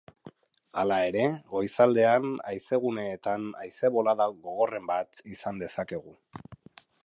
Hala ere, goizaldean haizeguneetan haize-bolada gogorren bat izan dezakegu.